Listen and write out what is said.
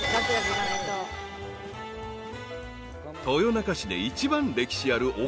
［豊中市で一番歴史ある］